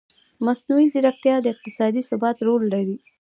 مصنوعي ځیرکتیا د اقتصادي ثبات رول لري.